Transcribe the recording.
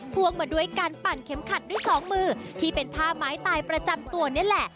พวงมาด้วยการปั่นเข็มขัดด้วยสองมือที่เป็นท่าไม้ตายประจำตัวนี่แหละ